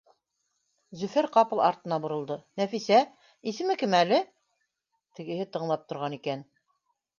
Зөфәр ҡапыл артына боролдо: Нәфисә, исеме кем әле? Тегеһе тыңлап торған икән: